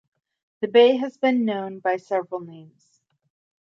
The bay has been known by several names.